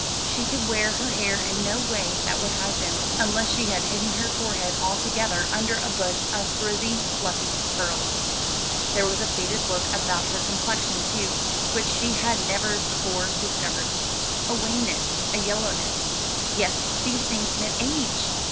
She could wear her hair in no way that would hide them, unless she had hidden her forehead altogether under a bush of frizzy fluffy curls. There was a faded look about her complexion, too, which she had never before discovered a wanness, a yellowness. Yes, these things meant age!